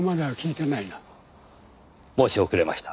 申し遅れました。